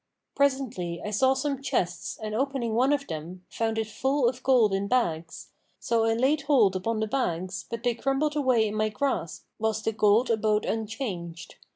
Presently I saw some chests and opening one of them, found it full of gold in bags; so I laid hold upon the bags, but they crumbled away in my grasp, whilst the gold abode unchanged.